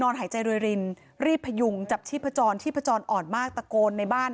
หายใจรวยรินรีบพยุงจับชีพจรที่พจรอ่อนมากตะโกนในบ้าน